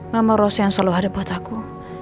mama rosa yang selalu hadap buat aku